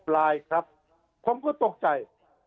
๖๐ลายครับผมก็ตกใจ